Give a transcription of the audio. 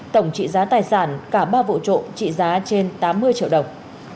tổng trị giá tài sản cả ba vụ trộm trị giá trên tám mươi triệu đồng